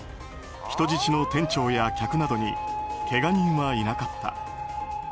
人質の店長や客などにけが人はいなかった。